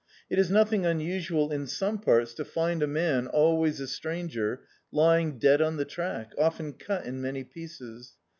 It is nothing unusual in some parts to find a man, always a stranger, lying dead on the track, often cut in many pieces.